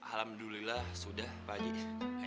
alhamdulillah sudah pak haji